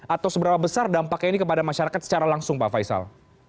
atau seberapa besar dampaknya ini kepada masyarakat secara langsung pak faisal